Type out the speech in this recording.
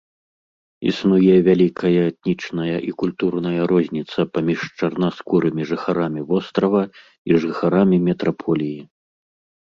Існуе вялікая этнічная і культурная розніца паміж чарнаскурымі жыхарамі вострава і жыхарамі метраполіі.